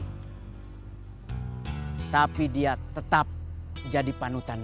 sudah lama tidak jadi bos saya lagi